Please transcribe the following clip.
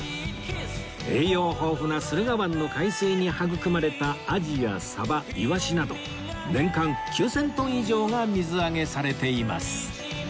栄養豊富な駿河湾の海水に育まれたアジやサバイワシなど年間９０００トン以上が水揚げされています